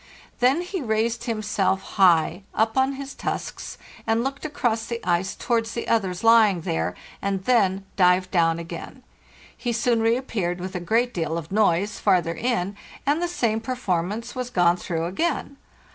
Then he raised himself high up on his tusks, and looked across the ice towards the others lying there, and then dived down again. He soon reappeared, with a great deal of noise, farther in, and the same performance was gone through again.